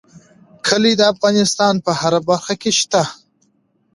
کلي د افغانستان په هره برخه کې شته.